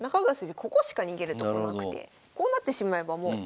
ここしか逃げるとこなくてこうなってしまえばもう久保先生